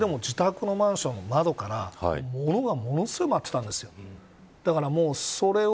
それでも自宅のマンションの窓から物がものすごい舞っていたんです。